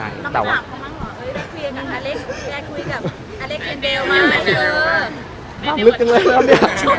รอบลึกขึ้นเลย